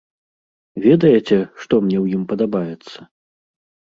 Ведаеце, што мне ў ім падабаецца?